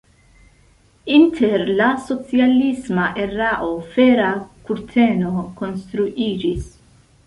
Inter la socialisma erao Fera kurteno konstruiĝis.